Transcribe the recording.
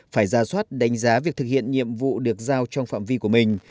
phải ra soát đánh giá việc thực hiện nhiệm vụ được giao trong phạm vi của mình